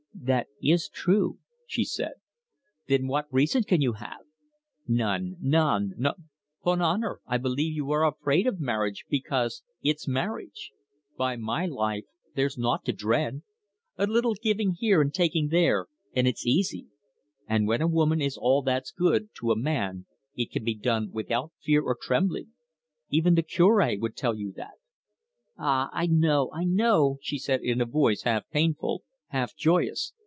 "That is true," she said. "Then what reason can you have? None, none. 'Pon honour, I believe you are afraid of marriage because it's marriage. By my life, there's naught to dread. A little giving here and taking there, and it's easy. And when a woman is all that's good, to a man, it can be done without fear or trembling. Even the Cure would tell you that." "Ah, I know, I know," she said, in a voice half painful, half joyous.